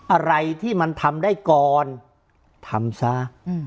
อะไรที่มันทำได้ก่อนทำซะ